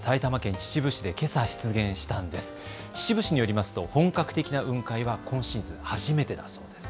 秩父市によりますと本格的な雲海は今シーズン初めてだそうです。